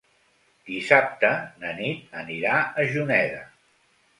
Dissabte na Nit anirà a Juneda.